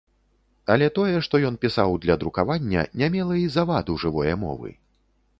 Але тое, што ён пісаў для друкавання, не мела і заваду жывое мовы.